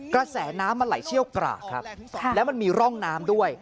กระแสน้ำมันไหลเชี่ยวกรากครับแล้วมันมีร่องน้ำด้วย